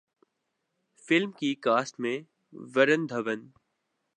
film کی cast میں ورون دھون